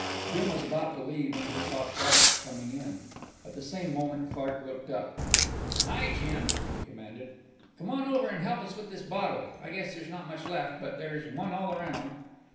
Jim was about to leave when he saw Clark coming in. At the same moment Clark looked up. "Hi, Jim!" he commanded. "C'mon over and help us with this bottle. I guess there's not much left, but there's one all around."